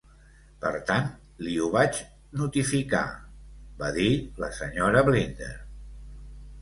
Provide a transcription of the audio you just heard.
"Per tant, li ho vaig notificar", va dir la senyora Blinder.